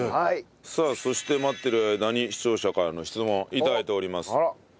さあそして待ってる間に視聴者からの質問頂いております。